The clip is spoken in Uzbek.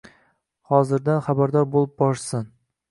hozirdan habardor bo‘lib borishsin.